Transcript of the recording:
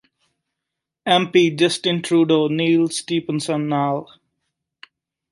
M P Justin Trudeau Neil Stephenson ਨਾਲ